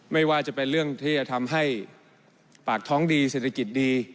ไม่ว่าจะเป็นเรื่องที่จะทำให้ปากท้องดีเศรษฐกิจดี